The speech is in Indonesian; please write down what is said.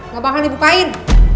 gak bakal dibukain